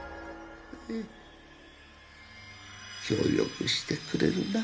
協力してくれるな？